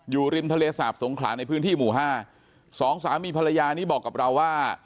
ริมทะเลสาบสงขลาในพื้นที่หมู่ห้าสองสามีภรรยานี้บอกกับเราว่า